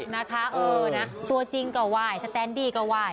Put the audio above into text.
นะคะเออนะตัวจริงก็ไหว้สแตนดี้ก็ไหว้